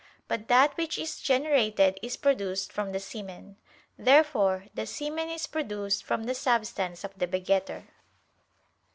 But that which is generated is produced from the semen. Therefore the semen is produced from the substance of the begetter.